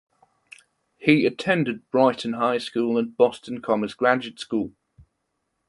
He attended Brighton High School and Boston Commerce Graduate School.